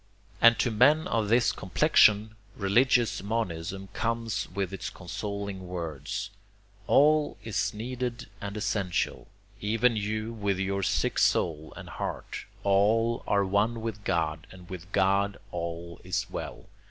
And to men of this complexion, religious monism comes with its consoling words: "All is needed and essential even you with your sick soul and heart. All are one with God, and with God all is well.